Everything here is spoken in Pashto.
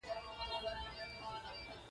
سهار څه کوئ؟ بستره سموم او ناشته تیاروم